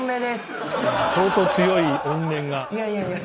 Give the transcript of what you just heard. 相当強い怨念が。